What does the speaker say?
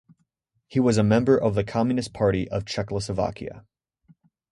He was a member of the Communist Party of Czechoslovakia.